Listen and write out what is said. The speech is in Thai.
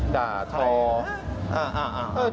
ด่าทอนะด่าทอ